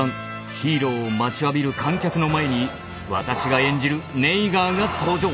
ヒーローを待ちわびる観客の前に私が演じるネイガーが登場！